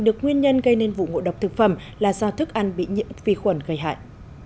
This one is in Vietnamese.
được nguyên nhân gây nên vụ ngộ độc thực phẩm là do thức ăn bị nhiễm vi khuẩn gây hại